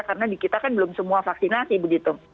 karena di kita kan belum semua vaksinasi begitu